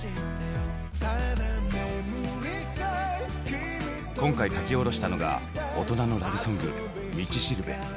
今回書き下ろしたのが大人のラブソング「道導」。